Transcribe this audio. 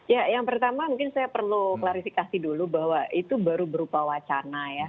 ya yang pertama mungkin saya perlu klarifikasi dulu bahwa itu baru berupa wacana ya